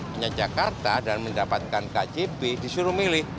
hanya jakarta dan mendapatkan kjp disuruh milih